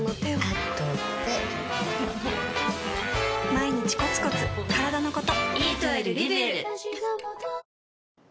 毎日コツコツからだのこと